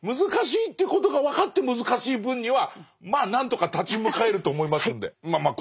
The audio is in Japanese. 難しいっていうことが分かって難しい分にはまあ何とか立ち向かえると思いますんで。